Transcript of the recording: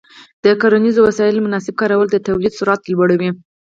د کرنیزو وسایلو مناسب کارول د تولید سرعت لوړوي.